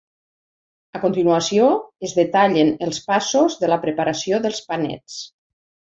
A continuació es detallen els passos de la preparació dels panets.